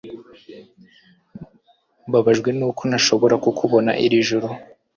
Mbabajwe nuko ntashobora kukubona iri joro